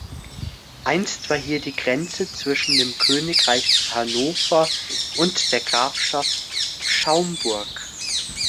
Einst war hier die Grenze zwischen dem Königreich Hannover und der Grafschaft Schaumburg.